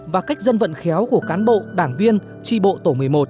và cách dân vận khéo của cán bộ đảng viên tri bộ tổ một mươi một